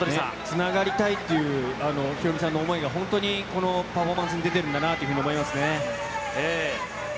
つながりたいっていうヒロミさんの思いが本当にこのパフォーマンスに出てるんだなというふうに思いますね。